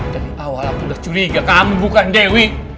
dari awal aku udah curiga kamu bukan dewi